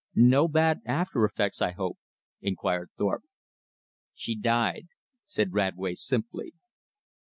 "No bad after effects, I hope?" inquired Thorpe. "She died," said Radway simply.